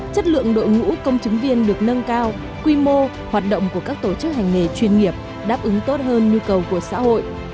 chất lượng đội ngũ công chứng viên được nâng cao quy mô hoạt động của các tổ chức hành nghề chuyên nghiệp đáp ứng tốt hơn nhu cầu của xã hội